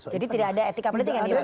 jadi tidak ada etika politik yang dilanggar